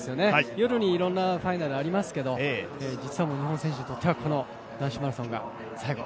夜にいろんなファイナルありますけれども、実は日本選手にとってはこの男子マラソンが最後。